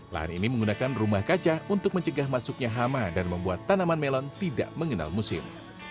lahan ini menggunakan rumah kaca untuk mencegah masuknya hama dan membuat tanaman melon tidak mengenal musim